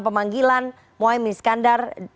pemanggilan moemi skandar